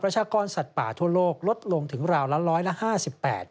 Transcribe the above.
ประชากรสัตว์ป่าทั่วโลกลดลงถึงร้อยละ๕๘